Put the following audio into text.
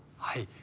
はい。